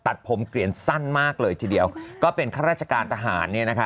ตัดผมเกลียนสั้นมากเลยทีเดียวก็เป็นข้าราชการตาหาร